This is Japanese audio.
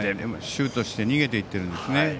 シュートして逃げていっているんですね。